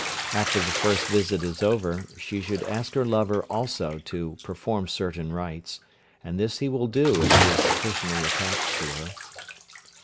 After the first visit is over she should ask her lover also to perform certain rites, and this he will do if he is sufficiently attached to her.